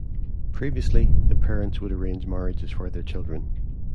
Previously, the parents would arrange marriages for their children.